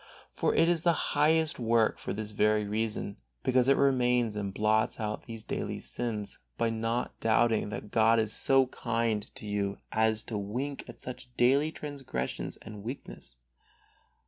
For it is the highest work for this very reason, because it remains and blots out these daily sins by not doubting that God is so kind to you as to wink at such daily transgression and weakness.